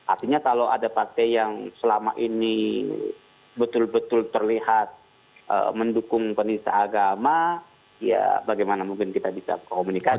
artinya kalau ada partai yang selama ini betul betul terlihat mendukung penista agama ya bagaimana mungkin kita bisa komunikasi